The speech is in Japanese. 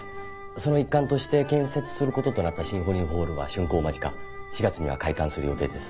その一環として建設することとなったシンフォニーホールは竣工間近４月には開館する予定です。